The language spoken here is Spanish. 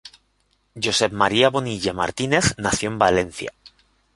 Josep Maria Bonilla Martínez nació en Valencia.